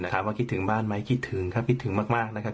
ถามว่าคิดถึงบ้านไหมคิดถึงถ้าคิดถึงมากนะครับ